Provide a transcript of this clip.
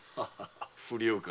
不良か。